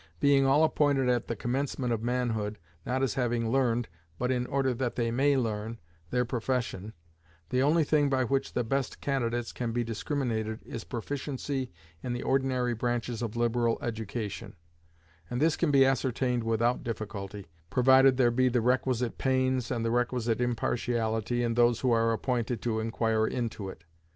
Being all appointed at the commencement of manhood, not as having learned, but in order that they may learn, their profession, the only thing by which the best candidates can be discriminated is proficiency in the ordinary branches of liberal education; and this can be ascertained without difficulty, provided there be the requisite pains and the requisite impartiality in those who are appointed to inquire into it.